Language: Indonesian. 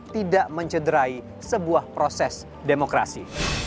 tidak mencederai sebuah proses demokrasi